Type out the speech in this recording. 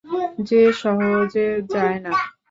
যে সহজে যায় না।